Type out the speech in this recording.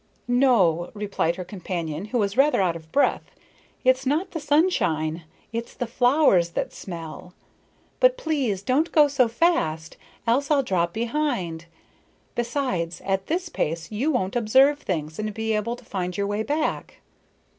"No," replied her companion, who was rather out of breath, "it's not the sunshine, it's the flowers that smell. But please, don't go so fast, else I'll drop behind. Besides, at this pace you won't observe things and be able to find your way back."